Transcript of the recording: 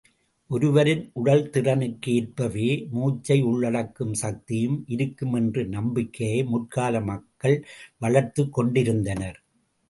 ஒருவரின் உடல் திறனுக்கு ஏற்பவே, மூச்சை உள்ளடக்கும் சக்தியும் இருக்கும் என்ற நம்பிக்கையை முற்கால மக்கள் வளர்த்துக் கொண்டிருந்தனர்.